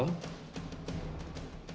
dan menteri sumber daya mineral